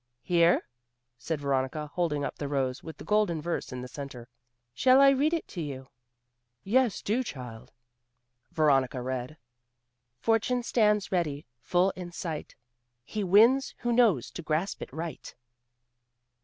"Here," said Veronica, holding up the rose with the golden verse in the centre. "Shall I read it to you?" "Yes, do, child." Veronica read "Fortune stands ready, full in sight; He wins who knows to grasp it right."